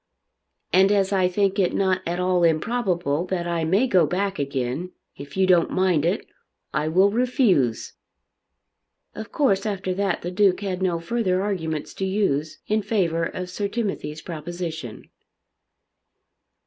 "And as I think it not at all improbable that I may go back again, if you don't mind it, I will refuse." Of course after that the Duke had no further arguments to use in favour of Sir Timothy's proposition.